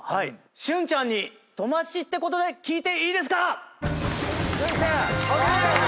旬ちゃんに友達ってことで聞いていいですか⁉ＯＫ！